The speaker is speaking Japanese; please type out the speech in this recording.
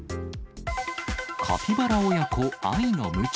カピバラ親子、愛のむち。